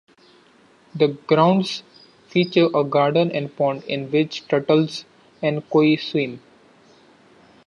The grounds feature a garden and pond, in which turtles and koi swim.